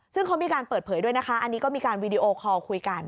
ซึ่งเขามีการเปิดเผยด้วยนะคะอันนี้ก็มีการวีดีโอคอลคุยกัน